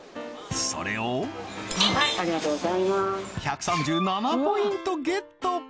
それを１３７ポイントゲット